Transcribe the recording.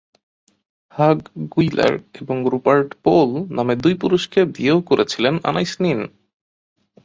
হাগ Guiler এবং Rupert Pole নামে দুই পুরুষকে বিয়েও করেছিলেন আনাইস নিন।